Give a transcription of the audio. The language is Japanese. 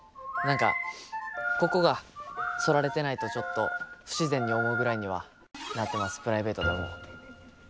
何かここが剃られてないとちょっと不自然に思うぐらいにはなってます。